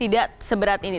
tidak seberat ini